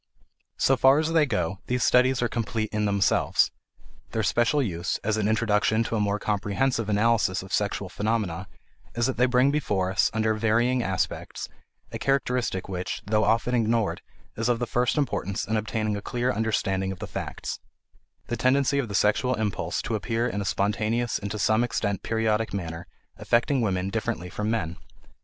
So far as they go, these studies are complete in themselves; their special use, as an introduction to a more comprehensive analysis of sexual phenomena, is that they bring before us, under varying aspects, a characteristic which, though often ignored, is of the first importance in obtaining a clear understanding of the facts: the tendency of the sexual impulse to appear in a spontaneous and to some extent periodic manner, affecting women differently from men.